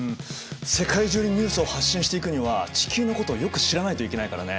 世界中にニュースを発信していくには地球のことをよく知らないといけないからね。